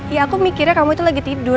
ya aku mikirnya kamu itu lagi tidur